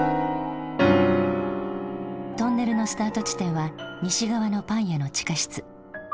トンネルのスタート地点は西側のパン屋の地下室。